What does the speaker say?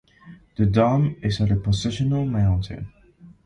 The Dom is a depositional mountain.